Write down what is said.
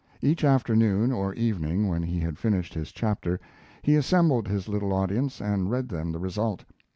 Each afternoon or evening, when he had finished his chapter, he assembled his little audience and read them the result.